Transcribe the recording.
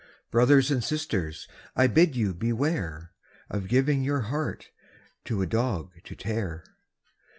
Brothers and sisters, I bid you beware Of giving your heart to a dog to tear.